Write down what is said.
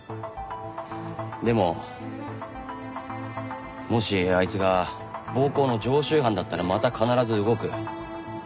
でももしあいつが暴行の常習犯だったらまた必ず動く。